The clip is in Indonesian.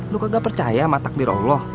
lu kagak percaya sama takdir allah